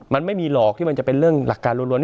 มันไม่มีหรอกที่มันจะเป็นเรื่องหลักการล้วน